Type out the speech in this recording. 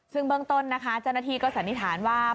ซึ่งเบื้องต้นนะคะเจ้าหน้าที่ก็สันนิษฐานว่า